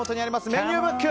メニューブック！